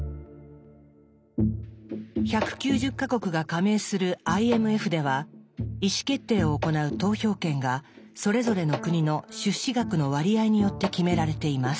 １９０か国が加盟するＩＭＦでは意思決定を行う投票権がそれぞれの国の出資額の割合によって決められています。